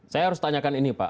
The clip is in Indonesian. saya harus tanyakan ini pak